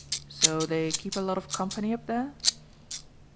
"So they keep a lot of company up there?"